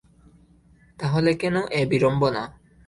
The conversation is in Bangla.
তা হলে কেন এ বিড়ম্বনা?